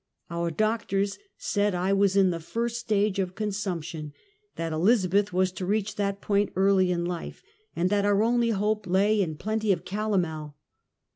Our doctors said I was in the first stage of consumption, that Elizabeth was to reach that point early in life, and that our only hope lay in plenty of calomel.